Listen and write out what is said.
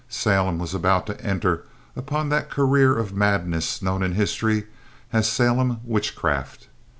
Salem was about to enter upon that career of madness known in history as Salem Witchcraft.